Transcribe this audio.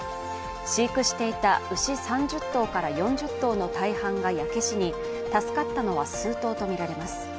飼育していた牛３０頭から４０頭の大半が焼け死に助かったのは数頭とみられます。